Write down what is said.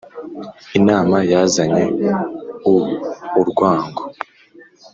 Inama yazanye u'urwango